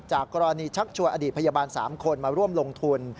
กรณีชักชวนอดีตพยาบาล๓คนมาร่วมลงทุน